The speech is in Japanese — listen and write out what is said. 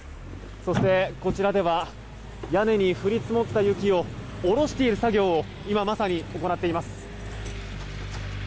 そして、こちらでは屋根に降り積もった雪を下ろしている作業を今まさに行っています。